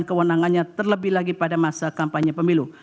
dan kewenangannya terlebih lagi pada masa kampanye pemilu